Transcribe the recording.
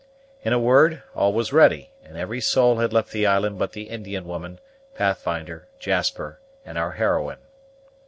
In a word, all was ready, and every soul had left the island but the Indian woman, Pathfinder, Jasper, and our heroine.